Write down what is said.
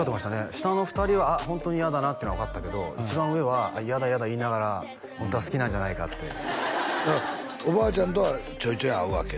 下の２人はあっホントに嫌だなっていうのは分かったけど一番上は嫌だ嫌だ言いながらホントは好きなんじゃないかっておばあちゃんとはちょいちょい会うわけ？